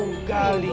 bua garba iksu